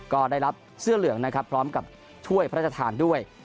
ก็ได้รับเสื้อเหลืองนะครับพร้อมกับถ้วยพระราชทานด้วย